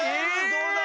どうだ？